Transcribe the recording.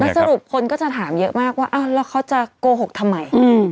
แล้วสรุปคนก็จะถามเยอะมากว่าอ้าวแล้วเขาจะโกหกทำไมอืม